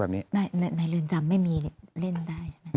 แต่ได้ยินจากคนอื่นแต่ได้ยินจากคนอื่น